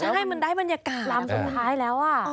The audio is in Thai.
ใช่มันได้บรรยากาศลำสุดท้ายแล้ว